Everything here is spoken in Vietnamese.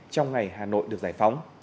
trong ngày hà nội được giải phóng